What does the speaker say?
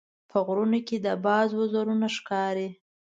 په غرونو کې د باز وزرونه ښکاري.